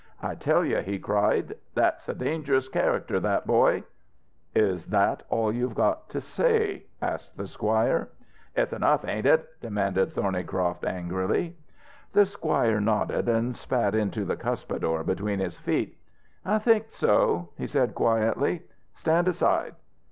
"I tell you," he cried, "that's a dangerous character that boy!" "Is that all you've got to say?" asked the squire. "It's enough, ain't it?" demanded Thornycroft angrily. The squire nodded and spat into the cuspidor between his feet. "I think so," he said quietly, "Stand aside.